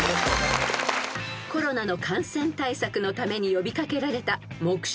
［コロナの感染対策のために呼び掛けられた］